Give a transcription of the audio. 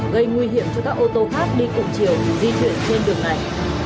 gây nguy hiểm cho các ô tô khác đi cùng chiều di chuyển trên đường này